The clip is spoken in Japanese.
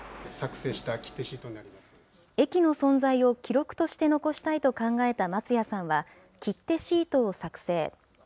駅の存在を記録として残したいと考えた松谷さんは、切手シートを作成。